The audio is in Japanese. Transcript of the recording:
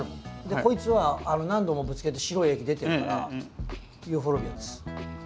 こいつは何度もぶつけて白い液出てるからユーフォルビアです。